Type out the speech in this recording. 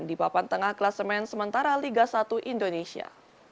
di papan tengah kelas main sementara liga satu indonesia